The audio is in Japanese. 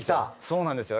そうなんですよ。